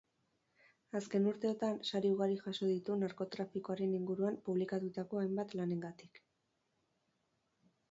Azken urteotan, sari ugari jaso ditu narkotrafikoaren inguruan publikatutako hainbat lanengatik.